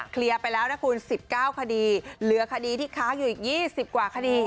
ไปแล้วนะคุณ๑๙คดีเหลือคดีที่ค้างอยู่อีก๒๐กว่าคดี